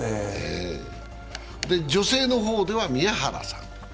女性の方では、宮原さん。